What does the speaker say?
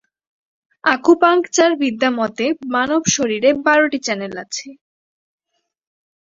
আকুপাঙ্কচারবিদ্যা মতে মানব শরীরে বারোটি চ্যানেল আছে।